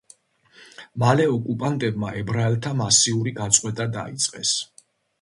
მალე ოკუპანტებმა ებრაელთა მასიური გაწყვეტა დაიწყეს.